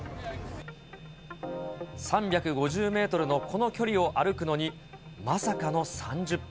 ３５０メートルのこの距離を歩くのに、まさかの３０分。